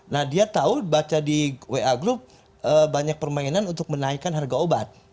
nah dia tahu baca di wa group banyak permainan untuk menaikkan harga obat